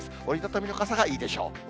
折り畳みの傘がいいでしょう。